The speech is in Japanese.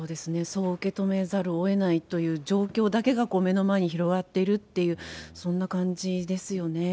そう受け止めざるをえないという状況だけが目の前に広がっているっていう、そんな感じですよね。